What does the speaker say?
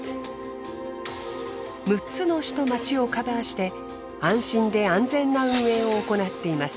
６つの市と町をカバーして安心で安全な運営を行っています。